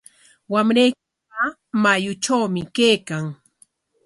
Wamraykiqa mayutrawmi kaykan.